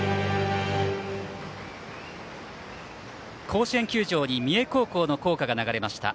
甲子園球場に三重高校の校歌が流れました。